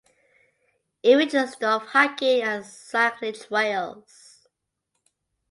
It features of hiking and cycling trails.